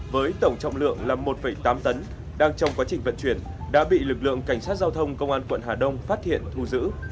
với tổng trọng lượng là một tám tấn đang trong quá trình vận chuyển đã bị lực lượng cảnh sát giao thông công an quận hà đông phát hiện thu giữ